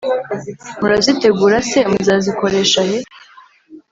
murazitegura se muzazikoresha he,